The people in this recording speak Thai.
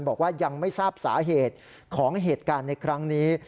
บอกว่ายังไม่ทราบสาเหตุของเหตุการณ์ในครั้งนี้